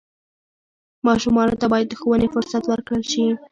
ماشومانو ته باید د ښوونې فرصت ورکړل شي.